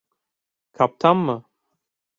Kaptan mı?